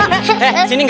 hei sini gak